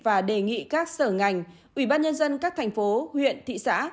và đề nghị các sở ngành ủy ban nhân dân các thành phố huyện thị xã